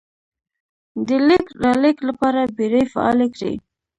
د لېږد رالېږد لپاره بېړۍ فعالې کړې.